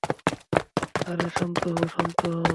আরে, শান্ত হও, শান্ত হও!